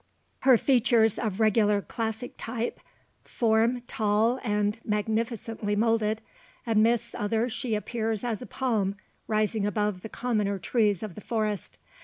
Her features of regular classic type, form tall and magnificently moulded, amidst others she appears as a palm rising above the commoner trees of the forest.